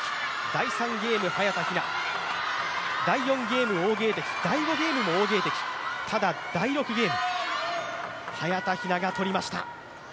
第３ゲーム、早田ひな、第４ゲーム、王ゲイ迪、第５ゲームも王ゲイ迪、ただ、第６ゲーム、早田ひなが取りました。